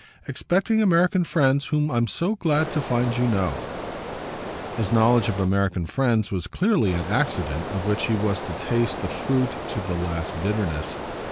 "Expecting American friends whom I'm so glad to find you know!" His knowledge of American friends was clearly an accident of which he was to taste the fruit to the last bitterness.